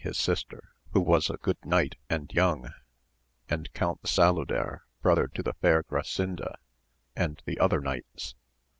his sister, who was a good knight and young, and Count Saluder brother to the fair AMADIS OF GAUL, 289 Orasinda, and the other knights.